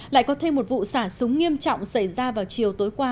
lại có thêm một vụ xả súng nghiêm trọng xảy ra vào chiều tối qua